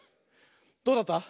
どうだった？